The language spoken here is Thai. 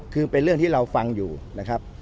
คือเป็นเรื่องที่เราฟังอยู่นะครับ